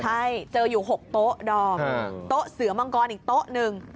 ใช่เจออยู่๖โต๊ะดอมโต๊ะเสือมังกรอีกโต๊ะหนึ่ง